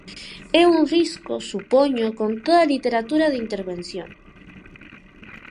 É un risco, supoño, con toda literatura de intervención.